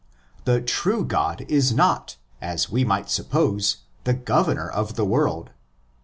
The true God is not, as we might suppose, the governor of the world.